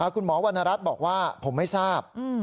คุณหมอวรรณรัชบอกว่าผมไม่ทราบ